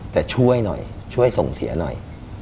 แต่ช่วยหน่อยช่วยส่งเสียหน่อย